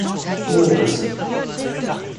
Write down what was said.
オーガズム